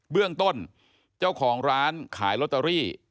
เบื้องต้นเจ้าของร้านขายลอตเตอรี่